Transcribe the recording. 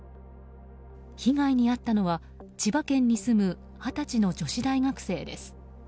被害に遭ったのは、千葉県に住む二十歳の女子大学生です。